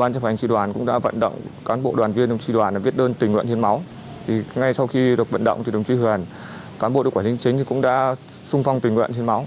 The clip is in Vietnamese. bản chấp hành tri đoàn cũng đã vận động cán bộ đoàn viên đồng tri đoàn viết đơn tình nguyện hiến máu